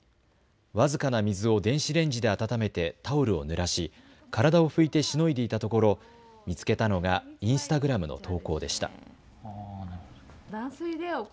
僅かな水を電子レンジで温めてタオルをぬらし体を拭いてしのいでいたところ見つけたのがインスタグラムの投稿でした。